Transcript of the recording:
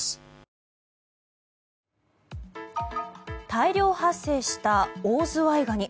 大量発生したオオズワイガニ。